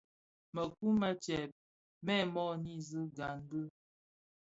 Mëkuu më tsèb mèn mö nisi gaň bi.